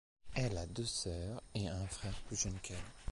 Elle a deux sœurs et un frère plus jeunes qu’elle.